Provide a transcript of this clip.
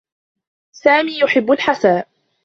سامي يحبّ الحساء.